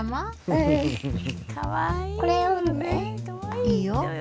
いいよ。